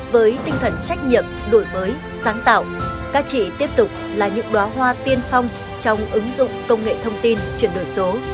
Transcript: với tinh thần trách nhiệm đổi mới sáng tạo các chị tiếp tục là những đoá hoa tiên phong trong ứng dụng công nghệ thông tin chuyển đổi số